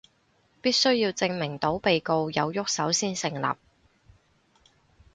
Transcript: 必須要證明到被告有郁手先成立